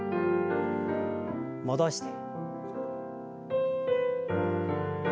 戻して。